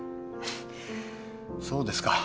そうですか。